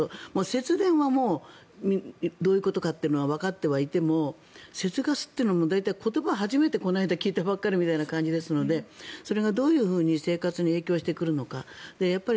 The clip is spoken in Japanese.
節電は、もうどういうことかっていうのはわかっていても節ガスというのは大体、言葉を初めてこの間、聞いたくらいなのでそれがどういうふうに生活に影響してくるのか。